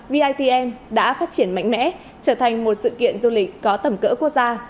vitm đã phát triển mạnh mẽ trở thành một sự kiện du lịch có tầm cỡ quốc gia